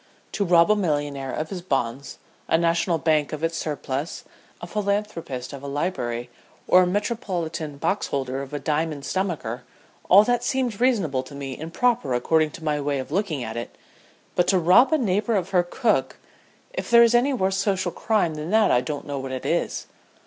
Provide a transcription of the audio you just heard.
To rob a millionaire of his bonds, a national bank of its surplus, a philanthropist of a library, or a Metropolitan Boxholder of a diamond stomacher, all that seemed reasonable to me and proper according to my way of looking at it, but to rob a neighbor of her cook if there is any worse social crime than that I don't know what it is.